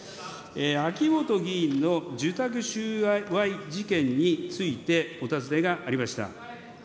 秋本議員の受託収賄事件についてお尋ねがありました。